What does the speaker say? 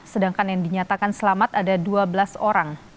sedangkan yang dinyatakan selamat ada dua belas orang